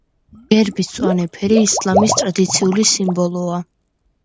გერბის მწვანე ფერი ისლამის ტრადიციული სიმბოლოა.